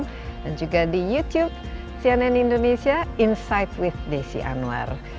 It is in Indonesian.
dan juga di youtube cnn indonesia insight with desy anwar